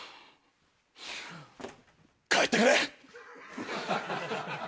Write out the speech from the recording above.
帰ってくれ！